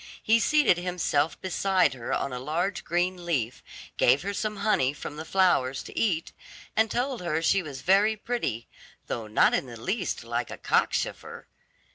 He seated himself by her side on a large green leaf, gave her some honey from the flowers to eat, and told her she was very pretty, though not in the least like a cockchafer.